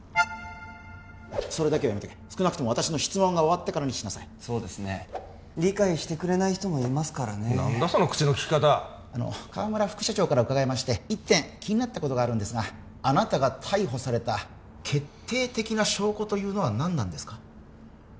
それだけはやめろ少なくとも私の質問が終わってからにしろそうですね理解してくれない人もいますからね何だその口のきき方河村副社長からうかがって一点気になったことがあるんですがあなたが逮捕された決定的な証拠というのは何なんですか？